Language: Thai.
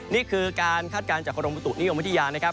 นี่คือการคาดการณ์จากโครงประตูนิยมวัฒนิยานะครับ